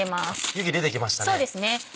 湯気出てきましたね。